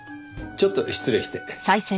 ちょっと失礼して。